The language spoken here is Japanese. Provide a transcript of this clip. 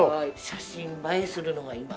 写真映えするのが今水色。